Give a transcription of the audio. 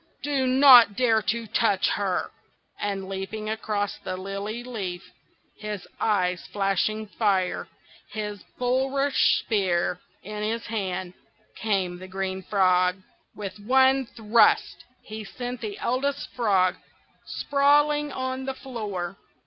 do not dare to touch her!" and leaping across the lily leaf, his eyes flashing fire, his bulrush spear in his hand, came the Green Frog. With one thrust he sent the Eldest Frog sprawling on the floor.